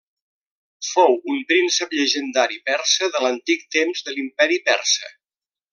Fou un príncep llegendari persa de l'antic temps de l'Imperi Persa.